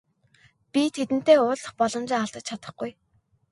Би тэдэнтэй уулзах боломжоо алдаж чадахгүй.